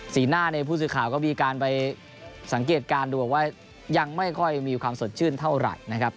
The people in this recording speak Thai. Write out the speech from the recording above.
หน้าเนี่ยผู้สื่อข่าวก็มีการไปสังเกตการณ์ดูบอกว่ายังไม่ค่อยมีความสดชื่นเท่าไหร่นะครับ